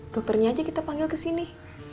dokternya aja kita panggil kesini